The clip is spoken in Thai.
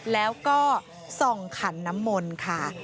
แล้วก็ส่องขันน้ำมนต์ค่ะ